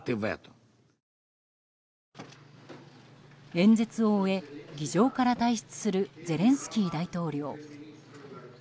演説を終え、議場から退出するゼレンスキー大統領。